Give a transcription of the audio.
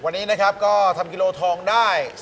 วันนี้นะครับก็ทำกิโลทองได้